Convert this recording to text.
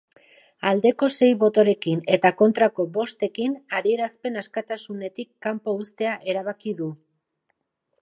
Aldeko sei botorekin eta kontrako bostekin, adierazpen askatasunetik kanpo uztea erabaki du.